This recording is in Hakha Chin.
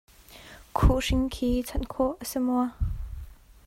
Khuhhring khi chawnh khawh a si maw?